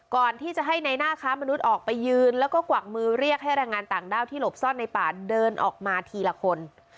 ก่อนที่จะให้ในหน้าค้ามนุษย์ออกไปยืนแล้วก็กวักมือเรียกให้แรงงานต่างด้าวที่หลบซ่อนในป่าเดินออกมาทีละคน